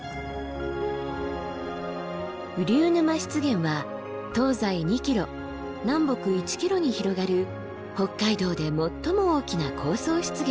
雨竜沼湿原は東西２ｋｍ南北１ｋｍに広がる北海道で最も大きな高層湿原。